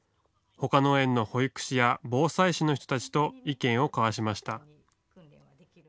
ほかの園の保育士や防災士の人たちと意見を交わしました。